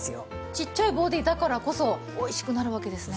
ちっちゃいボディーだからこそ美味しくなるわけですね。